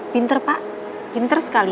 pinter pak pinter sekali